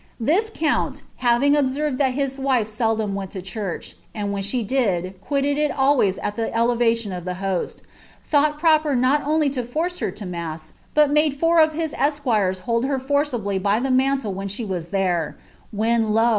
This count, having observed tlial hie M* sddom (vent lo church, (and when she did, quitted it always at the Kiliiiii of the }ioet,) thought proper not only to force her lo maM, but •de four of hia es.(uirGa hold her forcibly by the mantle when she was «f«; wh*n, lo!